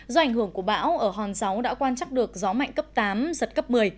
do ảnh hưởng của bão ở hòn sáu đã quan trắc được gió mạnh cấp tám giật cấp một mươi